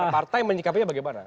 partai menyikapinya bagaimana